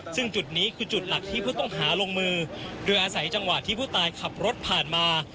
ซึ่งจุดนี้คือจุดหลักที่ผู้ต้องหาลงมือโดยอาศัยจังหวะที่ผู้ตายขับรถผ่านมา